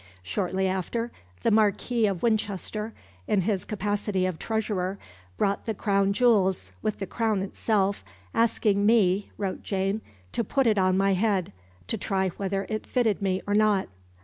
Shortly after, the Marquis of Winchester, in his capacity of Treasurer, brought the crown jewels, with the crown itself, "asking me," wrote Jane, "to put it on my head, to try whether it fitted me or not.